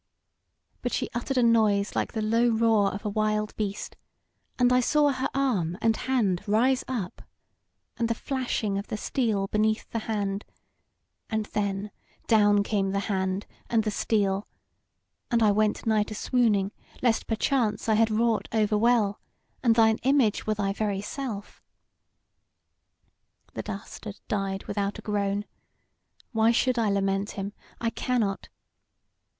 But she uttered a noise like the low roar of a wild beast, and I saw her arm and hand rise up, and the flashing of the steel beneath the hand, and then down came the hand and the steel, and I went nigh to swooning lest perchance I had wrought over well, and thine image were thy very self. The dastard died without a groan: why should I lament him? I cannot.